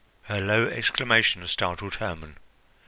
Her low exclamation startled Hermon.